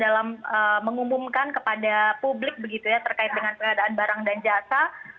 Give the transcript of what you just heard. jadi kami lebih terbuka dalam mengumumkan kepada publik begitu ya terkait dengan pengadaan barang dan jasa